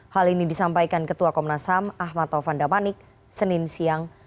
hal ini disampaikan ketua komnasam ahmad tovandamanik senin siang